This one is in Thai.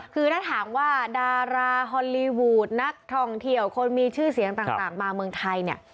คือถ้าถามว่าดาราฮอลลีวูดนักท่องเที่ยวคนมีชื่อเสียงต่างมาเมืองไทยเนี่ย